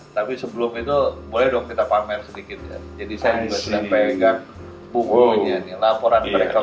tapi sebelum itu boleh dong kita pamer sedikit jadi saya juga sudah pegang bukunya nih laporan mereka